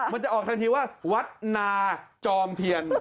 มันจะออกทันทีว่าวัดนาจอมเทียน